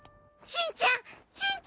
しんちゃん！